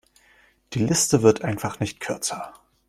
Die Liste wird einfach nicht kürzer.